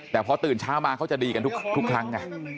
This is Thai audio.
แต่พอตื่นเช้ามาเขาจะดีกันทุกครั้ง